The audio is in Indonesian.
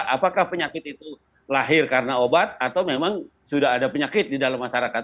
apakah penyakit itu lahir karena obat atau memang sudah ada penyakit di dalam masyarakat